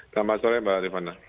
selamat sore mbak riffana